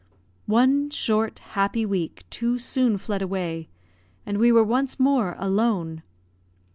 One short, happy week too soon fled away, and we were once more alone.